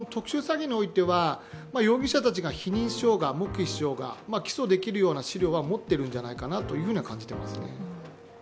そうなってくると特殊詐欺においては容疑者たちが否認しようが黙秘しようが、起訴できるような資料は持っているんではないかなという感じです。